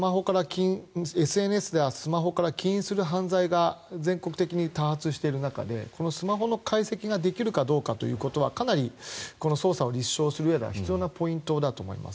ＳＮＳやスマホから起因する犯罪が全国的に多発している中でスマホの解析ができるかどうかということはかなりこの捜査を立証するうえでは必要なポイントだと思います。